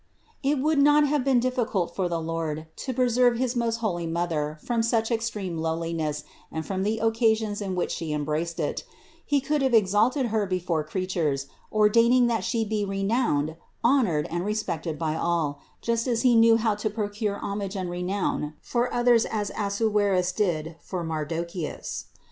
238. It would not have been difficult for the Lord to preserve his most holy Mother from such extreme low liness and from the occasions in which She embraced it ; He could have exalted Her before creatures, ordaining that She be renowned, honored and respected by all; just as He knew how to procure homage and renown for others as Assuerus did for Mardocheus.